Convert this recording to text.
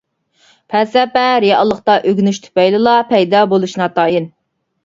پەلسەپە، رېئاللىقتا ئۆگىنىش تۈپەيلىلا پەيدا بولۇشى ناتايىن.